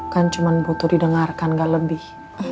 kan cuma butuh didengarkan gak lebih